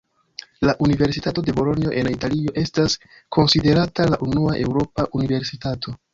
La Universitato de Bolonjo en Italio estas konsiderata la unua eŭropa universitato.